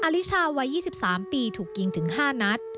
ลิชาวัย๒๓ปีถูกยิงถึง๕นัด